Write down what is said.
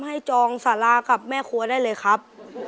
จองสารากับแม่ครัวได้เลยครับ